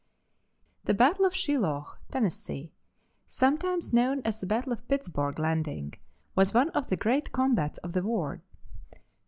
] The battle of Shiloh, Tenn, sometimes known as the battle of Pittsburg Landing, was one of the great combats of the war.